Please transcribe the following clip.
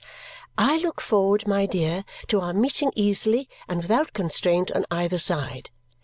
I look forward, my dear, to our meeting easily and without constraint on either side.